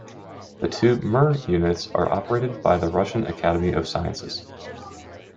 The two "Mir" units are operated by the Russian Academy of Sciences.